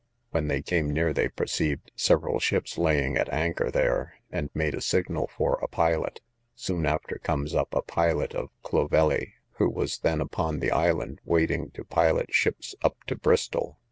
When they came near, they perceived several ships laying at anchor there, and made a signal for a pilot. Soon after comes up a pilot of Clovelly, who was then upon the island, waiting to pilot ships up to Bristol.